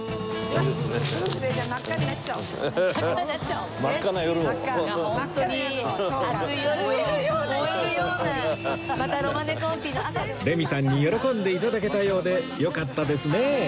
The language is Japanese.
レミさんに喜んで頂けたようでよかったですね